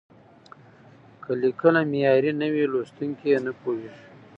که لیکنه معیاري نه وي، لوستونکي یې نه پوهېږي.